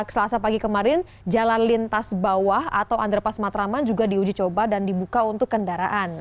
selasa pagi kemarin jalan lintas bawah atau underpass matraman juga diuji coba dan dibuka untuk kendaraan